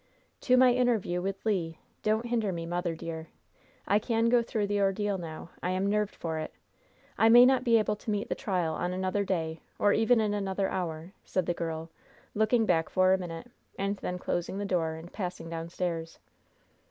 "To my interview with Le! Don't hinder me, mother, dear! I can go through the ordeal now! I am nerved for it. I may not be able to meet the trial on another day, or even in another hour," said the girl, looking back for a minute, and then closing the door and passing downstairs.